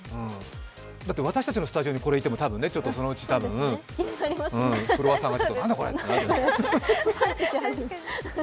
だって、私たちのスタジオにこれがいても、そのうちフロアさんが、何だこれ！ってなるね。